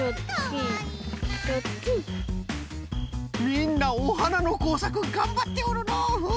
みんなおはなのこうさくがんばっておるのう！